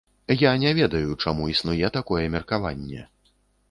Я не ведаю, чаму існуе такое меркаванне.